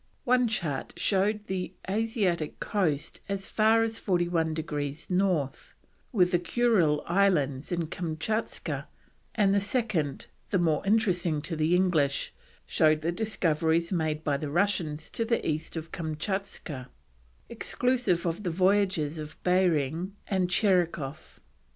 One chart showed the Asiatic coast as far as 41 degrees North, with the Kurile Islands and Kamtschatka, and the second, the more interesting to the English, showed the discoveries made by the Russians to the east of Kamtschatka, exclusive of the voyages of Behring and Tcherikoff.